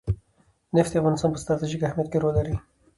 نفت د افغانستان په ستراتیژیک اهمیت کې رول لري.